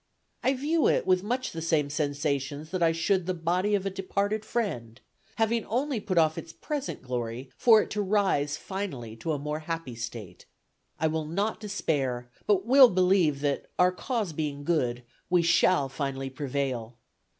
I view it with much the same sensations that I should the body of a departed friend having only put off its present glory for to rise finally to a more happy state. I will not despair, but will believe that, our cause being good, we shall finally prevail.